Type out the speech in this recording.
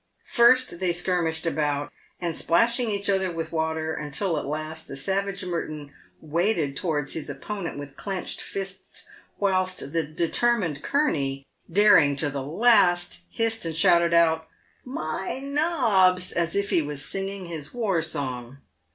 First they skirmished about, PAVED WITH GOLD. 169 splashing each other with water, until at last the savage Mertou waded towards his opponent with clenched fists, whilst the deter mined Kurney, daring to the last, hissed and shouted out, " My nobs !" as if he was singing his war song.